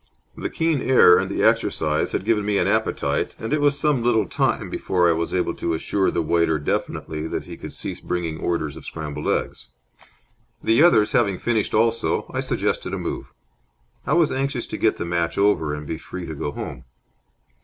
The keen air and the exercise had given me an appetite, and it was some little time before I was able to assure the waiter definitely that he could cease bringing orders of scrambled eggs. The others having finished also, I suggested a move. I was anxious to get the match over and be free to go home.